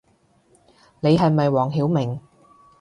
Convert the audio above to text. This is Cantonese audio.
你係咪黃曉明